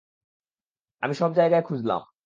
আমি সব জায়গায় খুঁজলাম।